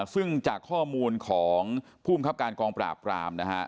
ซึ่งจากข้อมูลของภูมิครับการกองปราบรามนะฮะ